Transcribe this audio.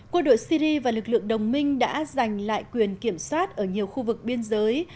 quân đội syri và lực lượng đồng minh đã giành lại quyền kiểm soát ở nhiều khu vực biên giới